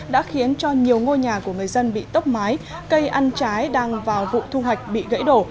đã khiến cho nhiều ngôi nhà của người dân bị tốc mái cây ăn trái đang vào vụ thu hoạch bị gãy đổ